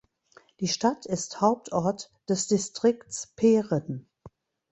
Die Stadt ist Hauptort des Distrikts Peren.